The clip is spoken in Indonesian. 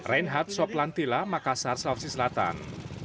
reinhard soplantila makassar south sea selatan